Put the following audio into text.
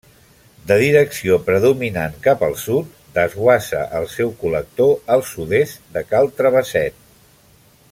De direcció predominant cap al sud, desguassa al seu col·lector al sud-est de Cal Travesset.